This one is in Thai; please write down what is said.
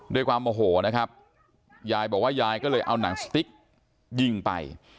ด้วยความโมโหนะครับยายบอกว่ายายก็เลยเอาหนังสติ๊กยิงไป